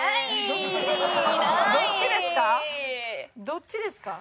どっちですか？